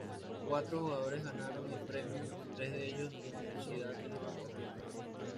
Cuatro jugadores ganaron el premio, tres de ellos de la Universidad de Nueva Orleans.